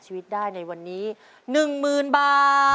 เจ้าชายศิษฐะทรงพนวทที่ริมฝั่งแม่น้ำใด